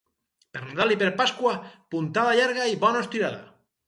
Per Nadal i per Pasqua, puntada llarga i bona estirada.